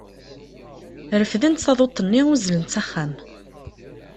Refdent taduṭ-nni uzlent s axxam.